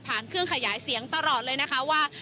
เครื่องขยายเสียงตลอดเลยนะคะว่า